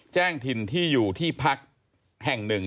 แจ้งถิ่นที่อยู่ที่พักแห่งหนึ่ง